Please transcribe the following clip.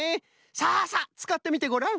さあさあつかってみてごらん。